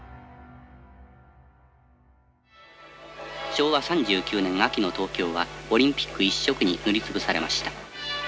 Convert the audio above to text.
昭和３９年秋の東京はオリンピック一色に塗り潰されました。